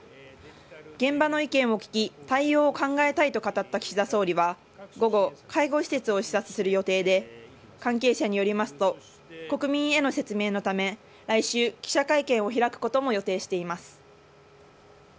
現場の意見も聞き対応を考えたいと語った岸田総理は午後介護施設を視察する予定で関係者によりますと国民への説明のため来週、記者会見を開くことも予定しています。